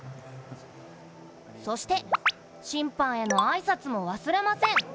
そして審判への挨拶も忘れません。